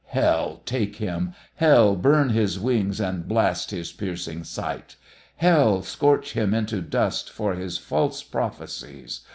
Hell take him! Hell burn his wings and blast his piercing sight! Hell scorch him into dust for his false prophecies!